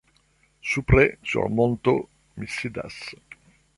Supre, sur monto, mi sidas.